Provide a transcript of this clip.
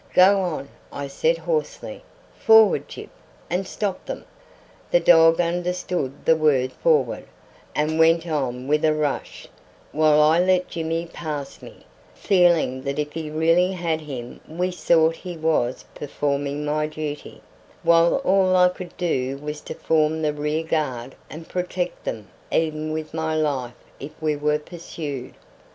"Go on!" I said hoarsely. "Forward, Gyp, and stop them!" The dog understood the word "Forward," and went on with a rush, while I let Jimmy pass me, feeling that if he really had him we sought he was performing my duty, while all I could do was to form the rear guard and protect them even with my life if we were pursued.